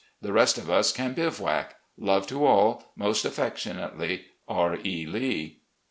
The rest of us can bivouac. Love to all. Most affectionately, R. E. Lee."